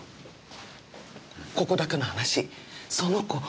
ここだけの話その子